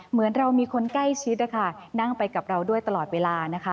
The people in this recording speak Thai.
เหมือนเรามีคนใกล้ชิดนะคะนั่งไปกับเราด้วยตลอดเวลานะคะ